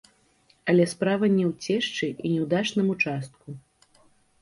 Але справа не ў цешчы і не ў дачным участку.